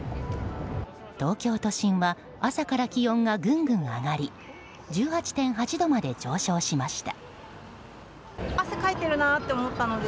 東京都心は朝から気温がぐんぐん上がり１８．８度まで上昇しました。